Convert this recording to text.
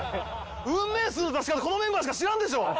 運命数の出し方このメンバーしか知らんでしょう！